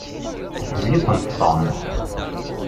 Iḥemmel-ikent Tom.